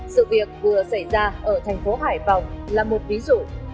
sự việc vừa xảy ra ở thành phố hải phòng là một ví dụ